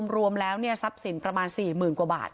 รวมแล้วทรัพย์สินประมาณ๔๐๐๐กว่าบาท